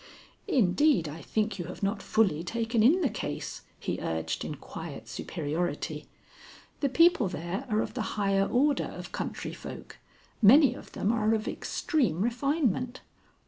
"Indeed, I think you have not fully taken in the case," he urged in quiet superiority. "The people there are of the higher order of country folk. Many of them are of extreme refinement.